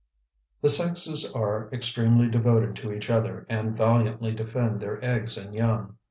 ] The sexes are extremely devoted to each other and valiantly defend their eggs and young.